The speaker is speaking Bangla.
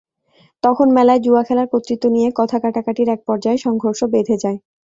তখন মেলায় জুয়া খেলার কর্তৃত্ব নিয়ে কথা-কাটাকাটির একপর্যায়ে সংঘর্ষ বেধে যায়।